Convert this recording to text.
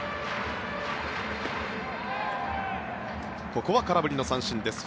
ここは空振りの三振です。